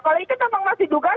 kalau ini kita masih dugaan